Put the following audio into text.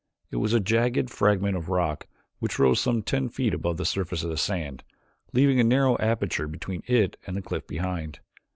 It was a jagged fragment of rock which rose some ten feet above the surface of the sand, leaving a narrow aperture between it and the cliff behind.